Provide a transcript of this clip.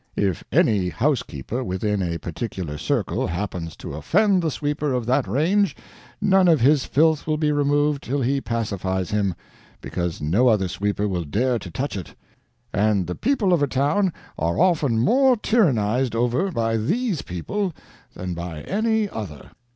If any housekeeper within a particular circle happens to offend the sweeper of that range, none of his filth will be removed till he pacifies him, because no other sweeper will dare to touch it; and the people of a town are often more tyrannized over by these people than by any other."